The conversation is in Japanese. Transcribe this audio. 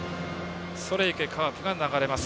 「それ行けカープ」が流れます